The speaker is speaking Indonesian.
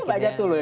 itu banyak dulu